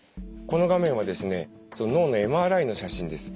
この画面はですね脳のＭＲＩの写真です。